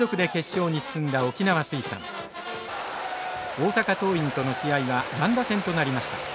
大阪桐蔭との試合は乱打戦となりました。